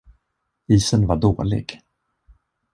Isen var dålig.